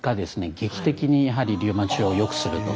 劇的にやはりリウマチをよくすると。